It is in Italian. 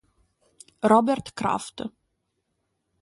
Robert Kraft